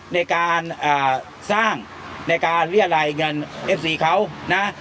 ในการสร้างในการเรียรายเงินเอฟซีเขานะ